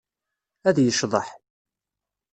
Ad yecḍeḥ.